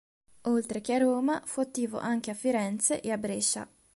Oltre che a Roma fu attivo anche a Firenze e a Brescia.